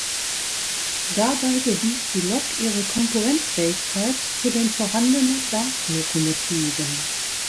Dabei bewies die Lok ihre Konkurrenzfähigkeit zu den vorhandenen Dampflokomotiven.